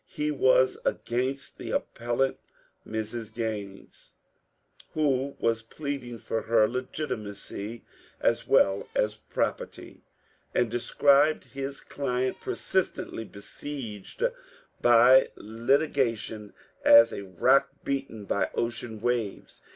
He was against the appellant, Mrs. Gaines, who was pleading for her legiti macy as well as property, and described his client persistently besieged by litigation as a rock beaten by ocean waves.